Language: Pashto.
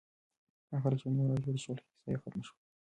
هغه خلک چې په نیمه لاره کې پاتې شول، کیسه یې ختمه شوه.